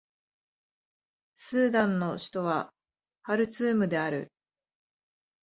スーダンの首都はハルツームである